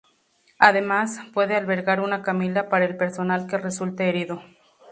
Además, puede albergar una camilla para el personal que resulte herido.